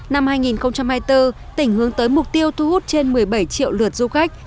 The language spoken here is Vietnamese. năm hai nghìn hai mươi bốn tỉnh hướng tới mục tiêu thu hút trên một mươi bảy triệu lượt du khách